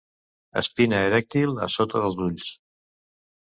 Espina erèctil a sota dels ulls.